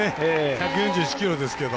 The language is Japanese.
１４１キロですけど。